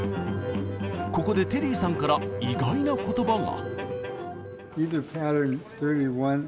ここでテリーさんから意外な言葉が。